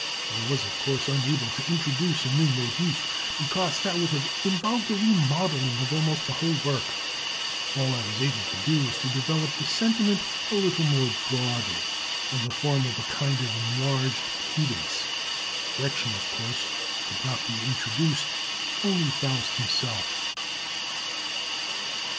I was, of course, unable to introduce a new motive, because that would have involved a remodelling of almost the whole work; all I was able to do was to develop the sentiment a little more broadly, in the form of a kind of enlarged cadence. Gretchen, of course, could not be introduced, only Faust himself."